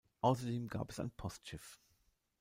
Außerdem gab es ein Postschiff.